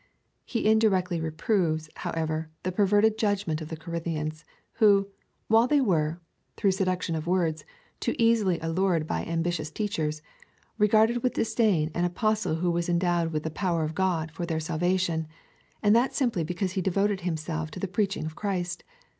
He indirectly reproves, however, the perverted judgment of the Corinthians, who, while they were, through seduction of words, too easily allured by ambitious teachers, regarded with disdain an Apostle who was endowed with the poiver of God for their salvation, and that simply because he devoted himself to the preaching of Christ.